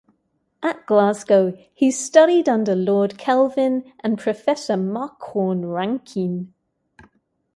At Glasgow he studied under Lord Kelvin and Professor Macquorn Rankine.